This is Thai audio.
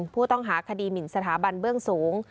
ผู้ต้องหาคดีหมินสถาบันเบื้องสูง